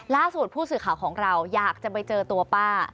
ล่าสุดผู้สื่อข่าวของเราอยากจะไปเจอตัวป้า